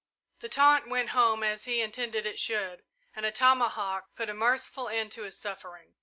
The taunt went home, as he intended it should, and a tomahawk put a merciful end to his suffering.